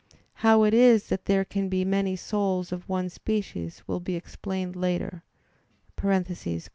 How it is that there can be many souls of one species will be explained later (Q.